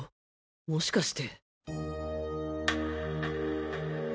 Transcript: もしかして